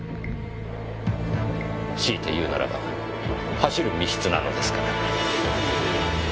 強いて言うならば走る密室なのですから。